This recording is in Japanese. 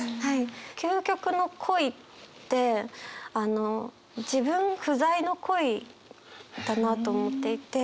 究極の恋って自分不在の恋だなと思っていて。